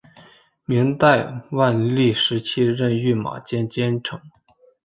明代万历时期任御马监监丞。